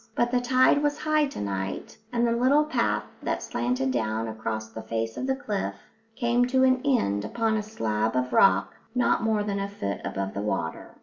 But the tide was high to night, and the little path that slanted down across the face of the cliff came to an end upon a slab of rock not more than a foot above the water.